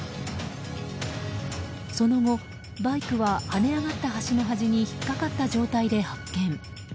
その後、バイクは跳ね上がった橋の端に引っかかった状態で発見。